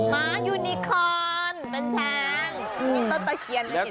ม้ายูนิคอร์นเป็นช้างมีต้นตะเกียรให้เห็นเป็นกัน